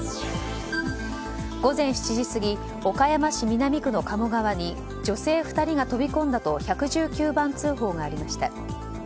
午前７時過ぎ岡山市南区の鴨川に女性２人が飛び込んだと１１９番通報がありました。